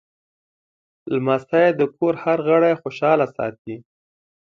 لمسی د کور هر غړی خوشحال ساتي.